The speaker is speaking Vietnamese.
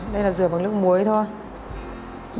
đây là rửa bằng nước muối thôi